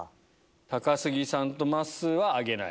高杉さんとまっすーは挙げない。